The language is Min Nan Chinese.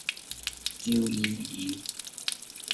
周怡怡